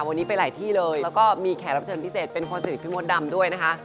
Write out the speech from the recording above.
วันนี้ไปหลายที่เลยแล้วก็มีแขกรับเชิญพิเศษเป็นคนสนิทพี่มดดำด้วยนะคะ